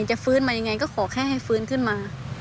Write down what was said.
จะฟื้นมายังไงก็ขอแค่ให้ฟื้นขึ้นมา